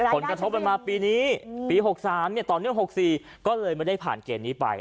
ผลกระทบมันมาปีนี้ปี๖๓ต่อเนื่อง๖๔ก็เลยไม่ได้ผ่านเกณฑ์นี้ไป